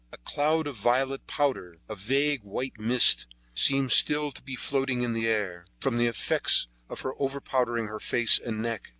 A cloud of violet powder, a vague white mist, seemed still to be floating in the air, from the effects of her over powdering her face and neck.